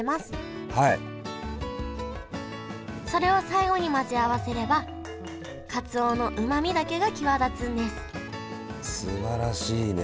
それを最後に混ぜ合わせればかつおのうまみだけが際立つんですすばらしいね。